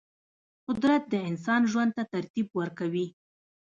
قدرت د انسان ژوند ته ترتیب ورکوي.